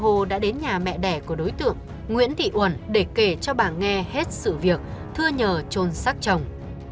hồ đã đến nhà mẹ đẻ của đối tượng nguyễn thị uẩn để kể cho bà nghe hết sự việc thưa nhờ trôn xác chồng